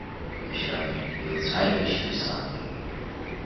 Мшәан, илцәажәашьои сан?